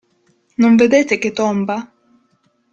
Non vedete che tomba?